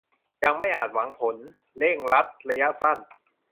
ยังไม่อาจหวังผลเร่งรัดระยะสั้น